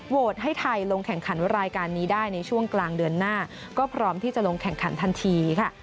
ให้ไทยลงแข่งขันรายการนี้ได้ในช่วงกลางเดือนหน้าก็พร้อมที่จะลงแข่งขันทันทีค่ะ